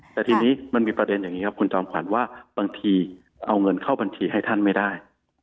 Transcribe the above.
แต่ทีนี้มันมีประเด็นอย่างนี้ครับคุณจอมขวัญว่าบางทีเอาเงินเข้าบัญชีให้ท่านไม่ได้